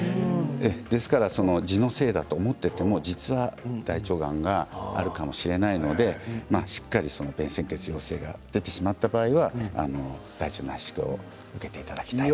ですからじのせいだと思っていても実は大腸がんがあるかもしれないのでしっかり便潜血陽性が出てしまった場合は大腸内視鏡を受けていただきたい。